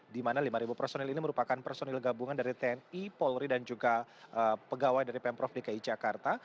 di mana lima personil ini merupakan personil gabungan dari tni polri dan juga pegawai dari pemprov dki jakarta